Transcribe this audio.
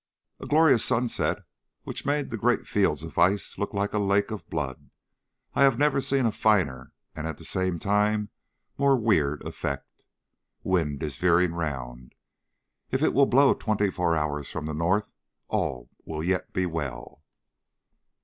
A glorious sunset, which made the great fields of ice look like a lake of blood. I have never seen a finer and at the same time more weird effect. Wind is veering round. If it will blow twenty four hours from the north all will yet be well.